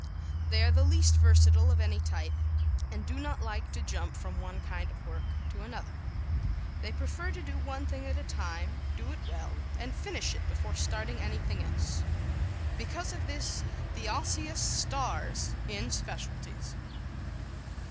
They are the least versatile of any type and do not like to jump from one kind of work to another. They prefer to do one thing at a time, do it well and finish it before starting anything else. Because of this the Osseous stars in specialities.